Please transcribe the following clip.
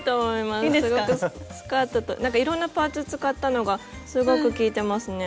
なんかいろんなパーツ使ったのがすごく効いてますね。